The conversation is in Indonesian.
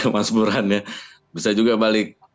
mas burhan ya bisa juga balik